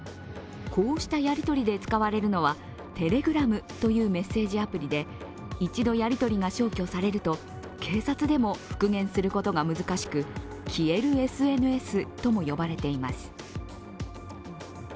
こうしたやり取りで使われるのはテレグラムというメッセージアプリで、一度やり取りが消去されると、警察でも復元することが難しく消えるＳＮＳとも呼ばれています。